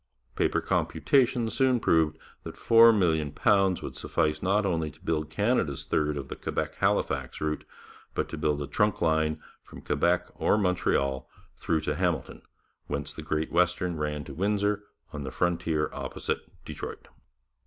Paper computations soon proved that £4,000,000 would suffice not only to build Canada's third of the Quebec Halifax route, but to build a trunk line from Quebec or Montreal through to Hamilton, whence the Great Western ran to Windsor on the frontier opposite Detroit.